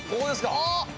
あっ！